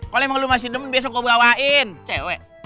kalau emang lo masih temen besok gue bawain cewek